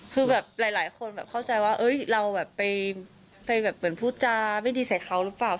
คือแบบหลายคนแบบเข้าใจว่าเราแบบไปแบบเหมือนพูดจาไม่ดีใส่เขาหรือเปล่า